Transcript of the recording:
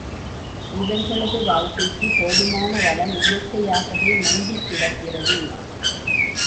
இவர்களது வாழ்க்கைக்குப் போதுமான வளம் இயற்கையாகவே மண்டிக் கிடக்கிறது.